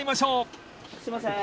すいません